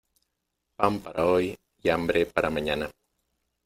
Pan para hoy y hambre para mañana.